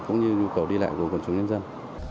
cũng như nhu cầu đi lại của quần chúng nhân dân